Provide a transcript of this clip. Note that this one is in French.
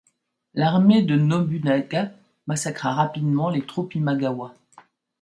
L'armée de Nobunaga massacra rapidement les troupes Imagawa.